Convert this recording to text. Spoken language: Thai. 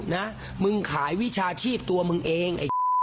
ก็ขายวิชาชีพตัวมึงเอง